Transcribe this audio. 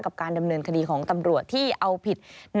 กับการดำเนินคดีของตำรวจที่เอาผิดนายเวียระพัฒน์